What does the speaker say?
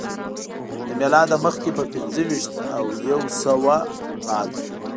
له میلاده مخکې په پنځه ویشت او یو سوه کال کې